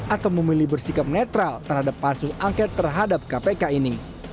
atau memilih bersikap netral terhadap pansus angket terhadap kpk ini